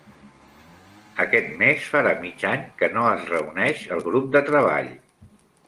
Aquest mes farà mig any que no es reuneix el grup de treball.